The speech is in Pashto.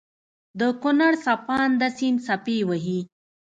دکونړ څپانده سيند څپې وهي